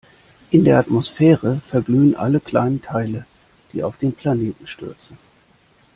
In der Atmosphäre verglühen alle kleinen Teile, die auf den Planeten stürzen.